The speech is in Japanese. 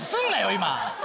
今！